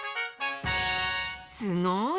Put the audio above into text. すごい！